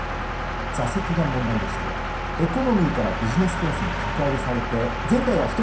座席が問題でしてエコノミーからビジネスクラスに格上げされて前回は１人